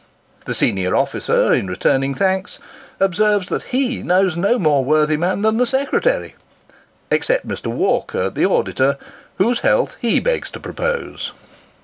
The senior officer, in returning thanks, observes that he knows no more worthy man than the secretary except Mr. Walker, the auditor, whose health he begs to propose.